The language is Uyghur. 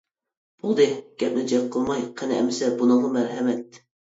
بولدى، گەپنى جىق قىلماي، قېنى ئەمسە بۇنىڭغا مەرھەمەت!